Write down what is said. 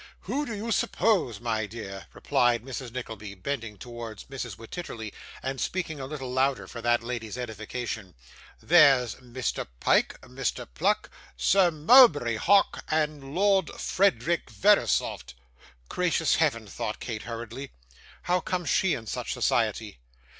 'Who do you suppose, my dear?' replied Mrs. Nickleby, bending towards Mrs Wititterly, and speaking a little louder for that lady's edification. 'There's Mr. Pyke, Mr. Pluck, Sir Mulberry Hawk, and Lord Frederick Verisopht.' 'Gracious Heaven!' thought Kate hurriedly. 'How comes she in such society?